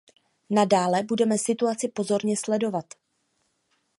Nadále budeme situaci pozorně sledovat.